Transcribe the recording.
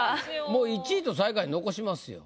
もう１位と最下位残しますよ。